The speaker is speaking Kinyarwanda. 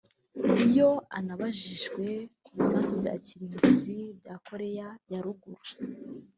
Iyo anabajijwe ku bisasu bya kirimbuzi bya Koreya ya Ruguru